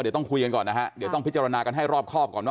เดี๋ยวต้องคุยกันก่อนนะฮะเดี๋ยวต้องพิจารณากันให้รอบครอบก่อนว่า